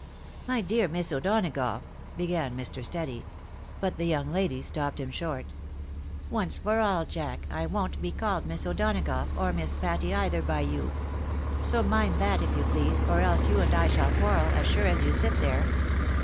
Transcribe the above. " My dear Miss O'Donagough," began Mr. Steady — ^but the young lady stopped him short —" Once' for all. Jack, I won't be called Miss O'Donagough, or Miss Patty either, by you. So mind that, if you please, or else you and I shall quarrel, as sure as you sit there.